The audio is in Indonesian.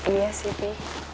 iya sih pi